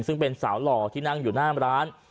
ซึ่งเป็นสาวหล่อที่นั่งอยู่หน้าร้าน